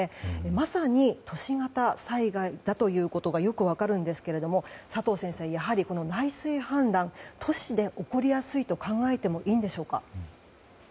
まさに都市型災害だということがよく分かるんですけども佐藤先生、やはり内水氾濫は都市で起こりやすいと考えてもいいんでしょうか？